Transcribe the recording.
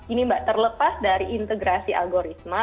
ini mbak terlepas dari integrasi algoritma